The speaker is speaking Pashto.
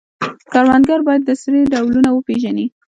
کروندګر باید د سرې ډولونه وپیژني.